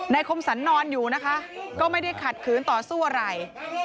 คมสรรนอนอยู่นะคะก็ไม่ได้ขัดขืนต่อสู้อะไร